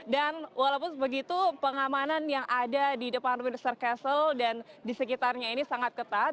dan walaupun begitu pengamanan yang ada di depan windsor castle dan di sekitarnya ini sangat ketat